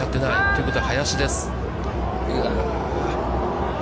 ということは林です。